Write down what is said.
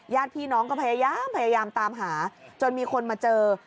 ญาติพี่น้องก็พยายามพยายามตามหาจนมีคนมาเจอ